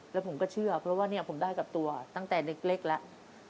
แล้วผมก็เชื่อเพราะว่าเนี่ยผมได้กับตัวตั้งแต่เล็กแล้ว